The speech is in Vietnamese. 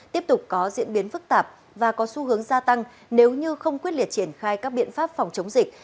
tiếp tục có diễn biến phức tạp và có xu hướng gia tăng nếu như không quyết liệt triển khai các biện pháp phòng chống dịch